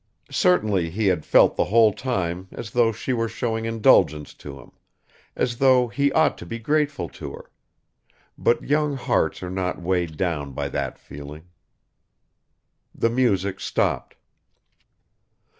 Certainly he had felt the whole time as though she were showing indulgence to him, as though he ought to be grateful to her ... but young hearts are not weighed down by that feeling. The music stopped.